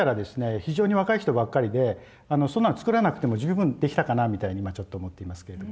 非常に若い人ばっかりでそんなの作らなくても十分できたかなみたいに今ちょっと思っていますけれども。